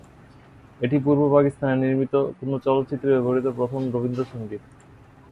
এটি পূর্ব পাকিস্তানে নির্মিত কোন চলচ্চিত্রে ব্যবহৃত প্রথম রবীন্দ্র সঙ্গীত।